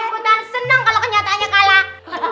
kita seneng kalau kenyataannya kalah